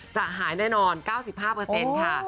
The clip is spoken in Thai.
จะหายแน่นอน๙๕ค่ะ